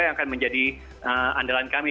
yang akan menjadi andalan kami